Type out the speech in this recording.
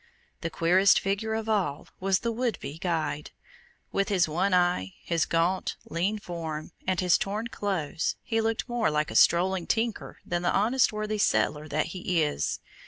The queerest figure of all was the would be guide. With his one eye, his gaunt, lean form, and his torn clothes, he looked more like a strolling tinker than the honest worthy settler that he is.